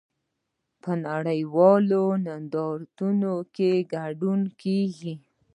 په نړیوالو نندارتونونو کې ګډون کیږي